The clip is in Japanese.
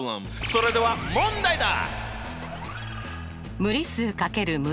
それでは問題だ！